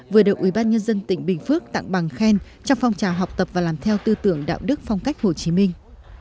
với đội ủy ban nhân dân tỉnh bình phước tặng bằng khen trong phong trào học tập và làm theo tư tưởng đạo đức phong cách hồ chí minh